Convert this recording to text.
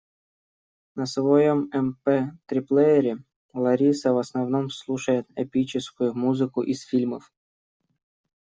На своём МП-три-плеере Лариса в основном слушает эпическую музыку из фильмов.